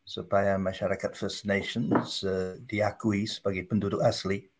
supaya masyarakat first nation diakui sebagai penduduk asli